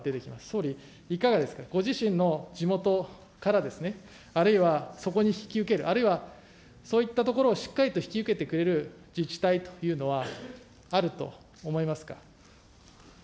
総理、いかがですか、ご自身の地元から、あるいはそこに引き受ける、あるいはそういったところをしっかりと引き受けてくれる自治体というのは、あると思いますか。